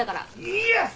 イエス！